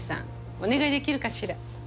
お願いできるかしら？